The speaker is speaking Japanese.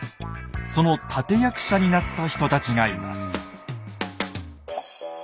その立役者になった人たちがいます。